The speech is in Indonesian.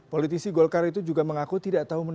politisi golkar itu juga mengaku tidak ada yang mencari